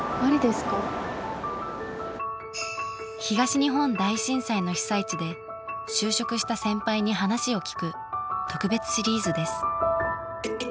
東日本大震災の被災地で就職した先輩に話を聞く特別シリーズです。